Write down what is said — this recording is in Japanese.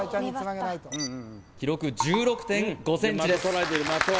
記録１６．５ｃｍです